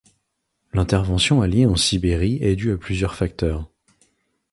L'intervention alliée en Sibérie est due à plusieurs facteurs.